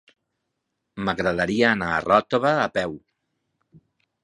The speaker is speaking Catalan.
M'agradaria anar a Ròtova a peu.